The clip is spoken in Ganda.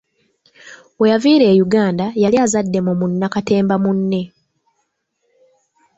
Weyaviira e Uganda yali azadde mu munnakatemba munne.